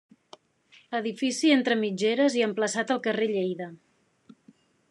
Edifici entre mitgeres i emplaçat al carrer Lleida.